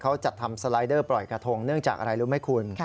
เขาจัดทำสไลเดอร์ปล่อยกระทงเนื่องจากอะไรรู้ไหมคุณ